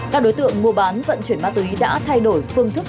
các đối tượng mua bán vận chuyển ma túy đã thay đổi phương thức